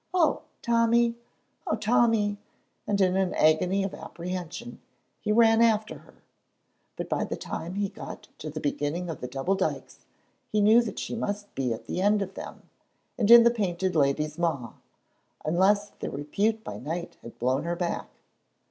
oh, Tommy, oh, Tommy!" and in an agony of apprehension he ran after her. But by the time he got to the beginning of the double dykes he knew that she must be at the end of them, and in the Painted Lady's maw, unless their repute by night had blown her back.